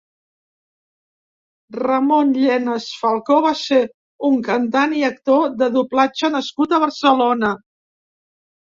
Ramón Llenas Falcó va ser un cantant i actor de doblatge nascut a Barcelona.